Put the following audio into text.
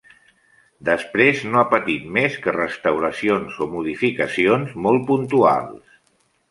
Després no ha patit més que restauracions o modificacions molt puntuals.